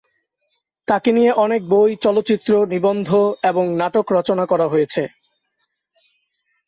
তাকে নিয়ে অনেক বই, চলচ্চিত্র, নিবন্ধ এবং নাটক রচনা করা হয়েছে।